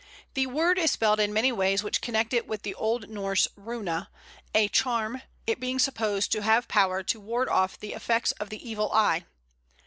The word is spelled in many ways which connect it with the Old Norse runa, a charm, it being supposed to have power to ward off the effects of the evil eye.